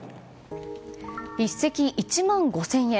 １席１万５０００円。